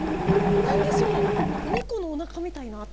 何でしょう猫のおなかみたいな？